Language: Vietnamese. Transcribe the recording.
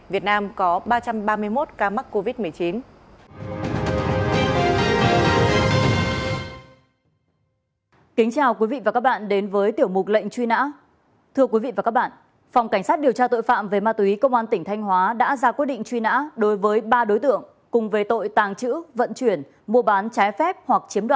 việt nam có ba trăm ba mươi một ca mắc covid một mươi chín